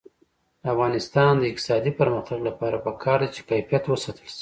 د افغانستان د اقتصادي پرمختګ لپاره پکار ده چې کیفیت وساتل شي.